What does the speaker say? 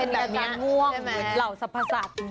เหมือนเหร่าสรรพสรรค์